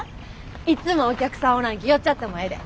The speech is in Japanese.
いつもお客さんおらんき寄っちゃってもええで。